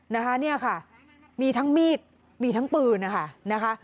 นะคะเนี่ยค่ะมีทั้งมีดมีทั้งปืนนะคะ